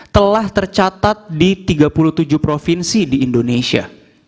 telah tercatat di tiga puluh tujuh provinsi di indonesia